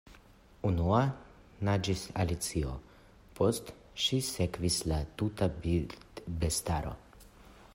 Unua naĝis Alicio; post ŝi sekvis la tuta birdbestaro.